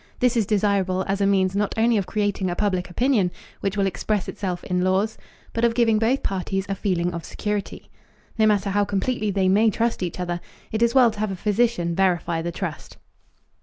This is desirable as a means not only of creating a public opinion which will express itself in laws, but of giving both parties a feeling of security. No matter how completely they may trust each other, it is well to have a physician verify the trust.